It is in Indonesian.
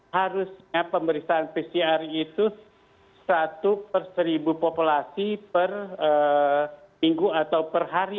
harusnya pemeriksaan pcr itu satu per seribu populasi per minggu atau per hari